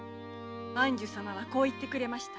光琳様はこう言ってくれました。